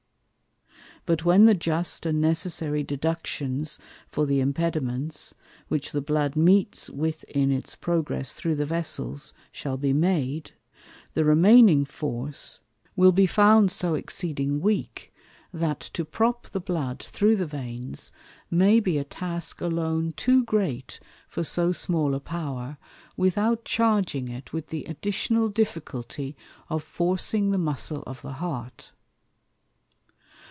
But when the just and necessary Deductions for the Impediments, which the Blood meets with in its Progress through the Vessels, shall be made, the remaining Force will be found so exceeding weak, that to prop the Blood through the Veins may be a task alone too great for so small a Power, without charging it with the additional difficulty of forcing the Muscle of the Heart.